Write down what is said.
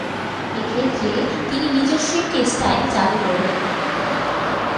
এক্ষেত্রে তিনি নিজস্ব একটি স্টাইল চালু করলেন।